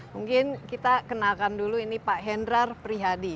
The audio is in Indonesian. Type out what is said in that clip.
mungkin kita kenalkan dulu ini pak hendrar prihadi